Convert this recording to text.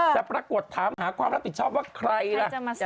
แต่ปรากฏถามหาความรับผิดชอบว่าใครล่ะ